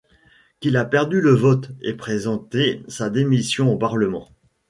Qu’il a perdu le vote et présenté sa démission au Parlement.